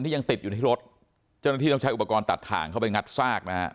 อยู่ในรถเจ้าหน้าที่ต้องใช้อุปกรณ์ตัดทางเข้าไปงัดซากนะครับ